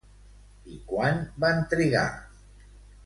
I quant van trigar?